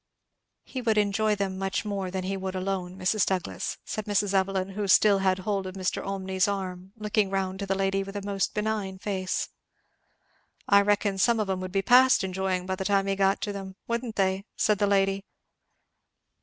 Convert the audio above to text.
"He would enjoy them much more than he would alone, Mrs. Douglass," said Mrs. Evelyn, who still had hold of Mr. Olmney's arm, looking round to the lady with a most benign face. "I reckon some of 'em would be past enjoying by the time he got to 'em, wouldn't they?" said the lady.